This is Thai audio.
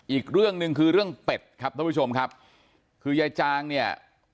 อีกเรื่องหนึ่งคือเรื่องเป็ดครับท่านผู้ชมครับคือยายจางเนี่ย